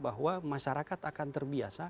bahwa masyarakat akan terbiasa